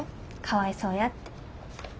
「かわいそうや」って。